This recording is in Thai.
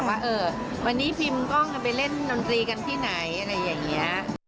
ว่าวันนี้พิมพ์กล้องกันไปเล่นดนตรีกันที่ไหนอะไรอย่างนี้